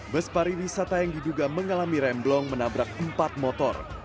bus pariwisata yang diduga mengalami remblong menabrak empat motor